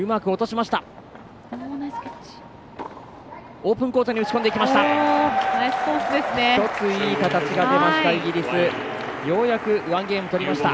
オープンコートに打ち込んでいきました。